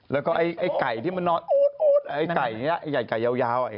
แล้วก็ไอ้ไก่ที่มันนอดไอ้ไก่นี้ไอ้ไก่ยาวไอ้ไก่นี้